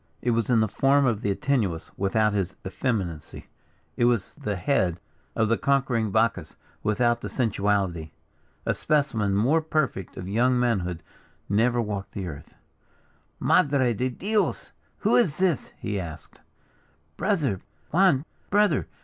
It was the form of the Antinuous, without his effeminacy it was the head of the conquering Bacchus, without the sensuality. A specimen more perfect of young manhood never walked the earth. "Madre de Dios, who is this?" he asked. "Brother! Juan! brother!"